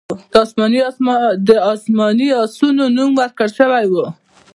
د اسماني آسونو نوم ورکړل شوی و